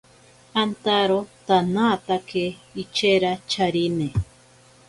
Antaro tanaatake ichera charine.